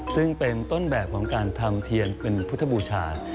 ซึ่งเป็นต้นแบบของการทำเทียนเป็นพุทธบูชา